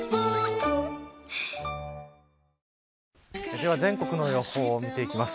では全国の予報を見ていきます。